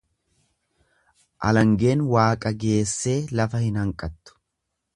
Alangeen waaqa geessee lafa hin hanqattu.